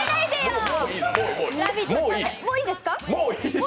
もういいですか？